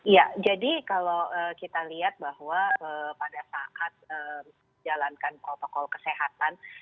ya jadi kalau kita lihat bahwa pada saat jalankan protokol kesehatan